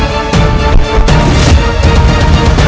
saya cuman gakino semua alas